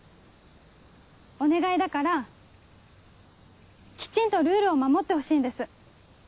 お願いだからきちんとルールを守ってほしいんです。